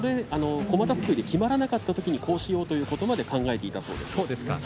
こまたすくいで決まらなかったときにこうしようということまで考えていたということです。